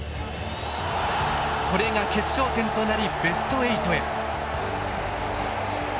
これが決勝点となりベスト８へ。